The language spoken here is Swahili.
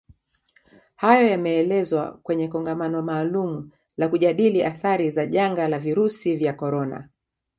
Hayo yameelezwa kwenye Kongamano maalumu la kujadili athari za janga la virusi vya corona